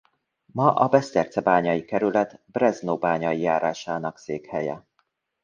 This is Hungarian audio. Ma a Besztercebányai kerület Breznóbányai járásának székhelye.